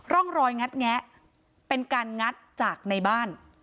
ร่องรอยงัดแงะเป็นการงัดจากในบ้าน